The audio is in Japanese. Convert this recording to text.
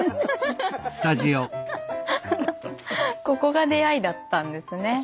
ここが出会いだったんですね。